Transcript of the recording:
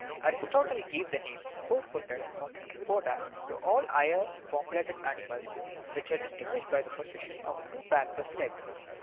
Aristotle gave the name of four footed, or tetrapoda, to all the higher warm blooded animals which are dis tinguished by the possession of two pairs of legs.